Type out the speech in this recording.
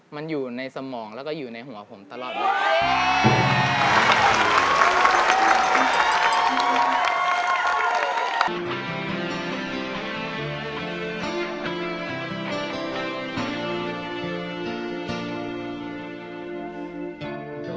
มันอยู่ในสมองแล้วก็อยู่ในหัวผมตลอดเลย